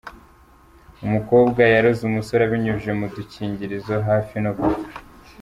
Umukobwa yaroze umusore abinyujije mu dukingirizo hafi no gupfa .